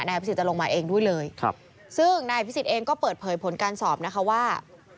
นายพิศิษฐ์จะลงมาเองด้วยเลยซึ่งนายพิศิษฐ์เองก็เปิดเผยผลการสอบนะคะว่า